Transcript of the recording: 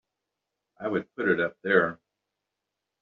I would put it up there!